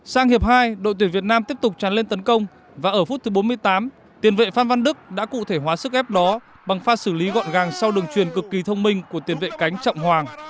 sang hiệp hai đội tuyển việt nam tiếp tục tràn lên tấn công và ở phút thứ bốn mươi tám tiền vệ phan văn đức đã cụ thể hóa sức ép đó bằng pha xử lý gọn gàng sau đường truyền cực kỳ thông minh của tiền vệ cánh trọng hoàng